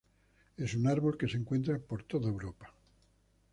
Es un árbol que se encuentra por toda Europa.